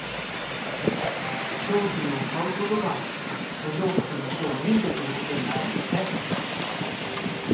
商品を買うことが途上国の人を援助することになるんだね。